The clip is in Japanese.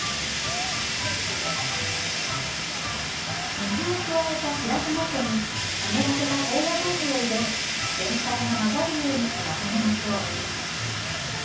水を加えた白玉粉に湿らせた高野豆腐を入れ全体が混ざるようにまとめましょう。